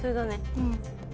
うん。